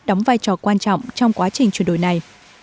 đóng vai trò quan trọng trong quá trình chuyển đổi này